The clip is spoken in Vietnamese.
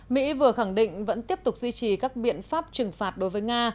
mỹ vừa khẳng định vẫn tiếp tục duy trì các biện pháp trừng phạt đối với nga